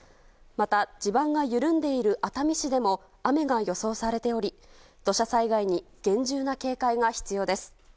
また地盤が緩んでいる熱海市でも雨が予想されており土砂災害に厳重な警戒が必要です。